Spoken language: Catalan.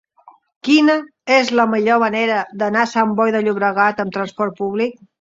Quina és la millor manera d'anar a Sant Boi de Llobregat amb trasport públic?